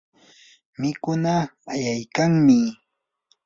mikunaa ayaykanmi.